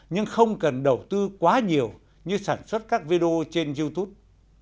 nhưng không cần đầu tư quá nhiều như sản xuất các video trên youtube